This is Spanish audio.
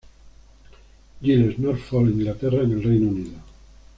Giles, Norfolk, Inglaterra en el Reino Unido.